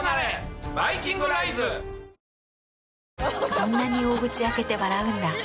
そんなに大口開けて笑うんだ。